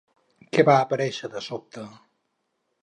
Què va aparèixer de sobte?